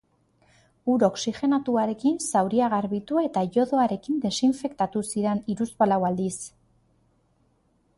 Ur oxigenatuarekin zauria garbitu eta iodoarekin desinfektatu zidan hiruzpalau aldiz.